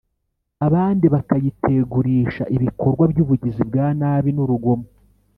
abandi bakayitegurisha ibikorwa by’ubugizi bwa nabi n’urugomo.